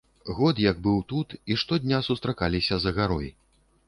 Год як быў тут, і штодня сустракаліся за гарой.